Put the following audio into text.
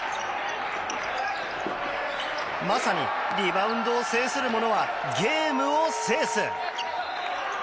まさにリバウンドを制する者はゲームを制す。